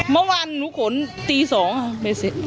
เมื่อวานหนูขนตี๒ไปเสร็จ